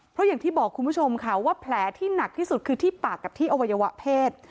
เพราะอย่างที่บอกคุณผู้ชมค่ะว่าแผลที่หนักที่สุดคือที่ปากกับที่อวัยวะเพศ